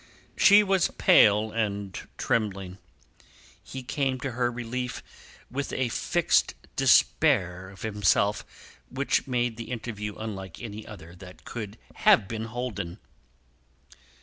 She was pale and trembling. He came to her relief with a fixed despair of himself which made the interview unlike any other that could have been holden.